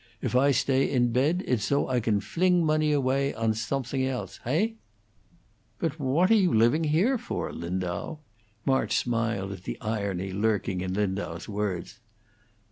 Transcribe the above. If I stay in pedt it's zo I can fling money away on somethings else. Heigh?" "But what are you living here for, Lindau?" March smiled at the irony lurking in Lindau's words.